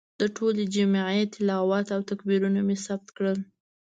د ټولې جمعې تلاوت او تکبیرونه مې ثبت کړل.